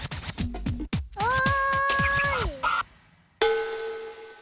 おい。